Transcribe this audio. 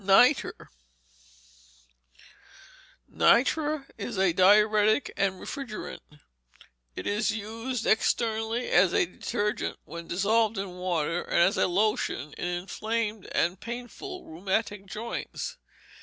Nitre Nitre is a diuretic and refrigerant. It is used externally as a detergent when dissolved in water, and as a lotion to inflamed and painful rheumatic joints.